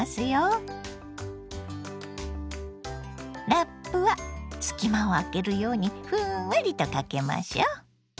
ラップは隙間を空けるようにふんわりとかけましょ。